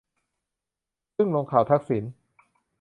ซึ่งลงข่าวทักษิณ